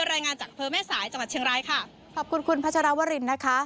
รายงานจากอำเภอแม่สายจังหวัดเชียงรายค่ะขอบคุณคุณพัชรวรินนะคะ